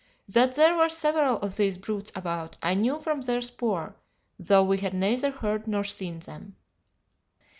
That there were several of these brutes about, I knew from their spoor, though we had neither heard nor seen them.